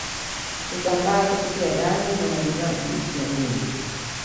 Husambaa kupitia damu na majimaji ya mwili